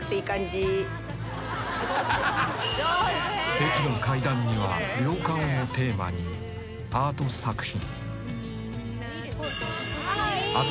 「駅の階段には涼感をテーマにアート作品」